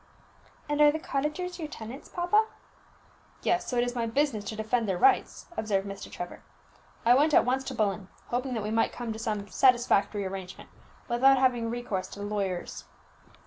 "And are the cottagers your tenants, papa?" "Yes; so it is my business to defend their rights," observed Mr. Trevor. "I went at once to Bullen, hoping that we might come to some satisfactory arrangement, without having recourse to the lawyers."